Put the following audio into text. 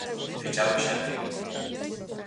Fichado en xaneiro.